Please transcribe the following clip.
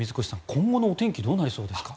今後のお天気どうなりそうですか？